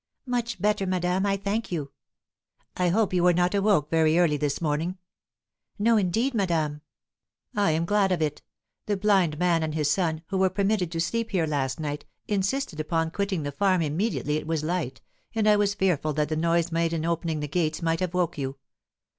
"Much better, madame, I thank you." "I hope you were not awoke very early this morning?" "No, indeed, madame." "I am glad of it; the blind man and his son, who were permitted to sleep here last night, insisted upon quitting the farm immediately it was light, and I was fearful that the noise made in opening the gates might have woke you."